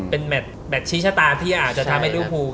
เป็นแมทชี้ชะตาที่อาจจะทำให้ริวภู